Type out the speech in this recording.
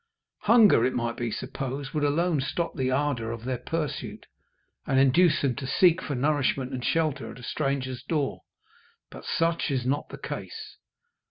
Hunger, it might be supposed, would alone stop the ardour of their pursuit, and induce them to seek for nourishment and shelter at a stranger's door. But such is not the case.